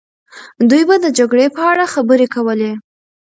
دوی به د جګړې په اړه خبرې کولې.